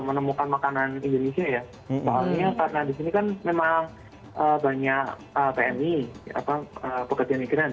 menemukan makanan indonesia ya karena disini kan memang banyak pmi apa kekejadian iklan